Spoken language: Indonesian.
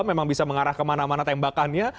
memang bisa mengarah kemana mana tembakannya